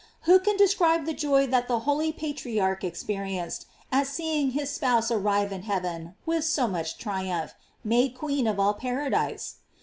"Who can describe the joy that the holy patriarch experienced at seeing hid spouse arrive in heaven with so much triumph, made queen of all paradise?